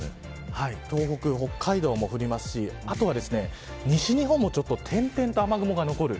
東北、北海道も降りますしあとは西日本も点々と雨雲が残る。